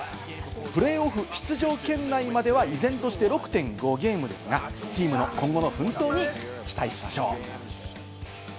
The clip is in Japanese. プレーオフ出場圏内までは依然として６．５ゲームですが、チームの今後の奮闘に期待しましょう。